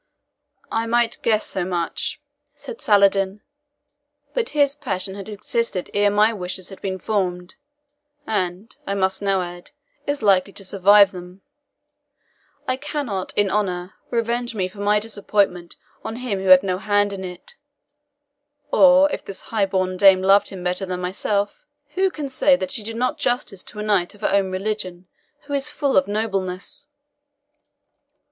"I might guess so much," said Saladin; "but his passion had existed ere my wishes had been formed and, I must now add, is likely to survive them. I cannot, in honour, revenge me for my disappointment on him who had no hand in it. Or, if this high born dame loved him better than myself, who can say that she did not justice to a knight of her own religion, who is full of nobleness?"